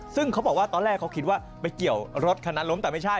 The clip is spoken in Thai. ซึ่งเขาบอกว่าตอนแรกเขาคิดว่าไปเกี่ยวรถคันนั้นล้มแต่ไม่ใช่